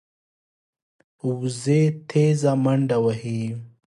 وزې تېزه منډه وهي